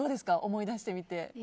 思い出してみて。